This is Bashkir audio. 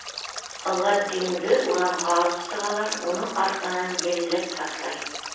Аладдинды урамға алып сығалар, уның артынан йәлләт атлай.